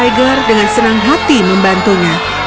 tigelar dengan senang hati membantunya